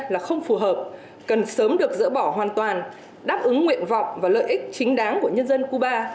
là không phù hợp cần sớm được dỡ bỏ hoàn toàn đáp ứng nguyện vọng và lợi ích chính đáng của nhân dân cuba